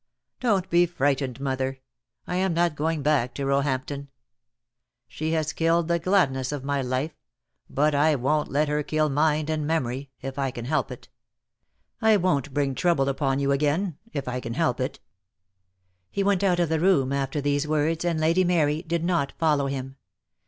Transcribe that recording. Don't be frightened, mother. I am not going back to Roehampton. She has killed the gladness of my life; but I won't let her kill mind and memory — if I can help it. I won't bring trouble upon you again — if I can help it." He went out of the room after these words, and Lady Mary did not follow him.